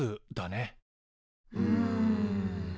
うん。